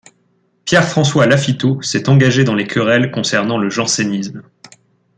Pierre-François Lafitau s'est engagé dans les querelles concernant le jansénisme.